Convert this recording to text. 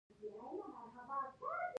زردالو د افغانستان د کلتوري میراث برخه ده.